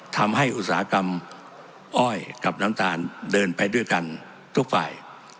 อุตสาหกรรมอ้อยกับน้ำตาลเดินไปด้วยกันทุกฝ่าย